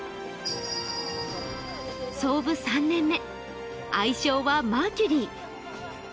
創部３年目、愛称はマーキュリー。